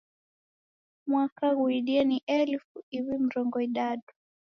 Mwaka ghuidie ni elifu iw'i mrongo idadu.